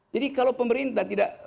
jadi kalau pemerintah tidak